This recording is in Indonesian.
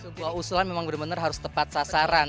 sebuah usulan memang benar benar harus tepat sasaran